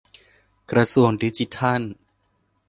-กระทรวงดิจิทัล